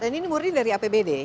dan ini murni dari apbd